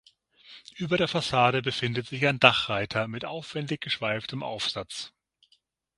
Über der Fassade befindet sich ein Dachreiter mit aufwendig geschweiftem Aufsatz.